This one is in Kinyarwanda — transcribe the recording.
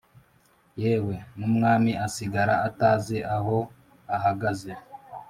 yewe n'umwami asigara atazi aho ahagaze.